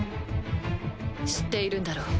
知っているんだろう？